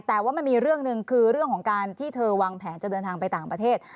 แต่ว่ามันมีเรื่องหนึ่งคือเรื่องของการที่เธอวางแผนจะเดินทางไปต่างประเทศ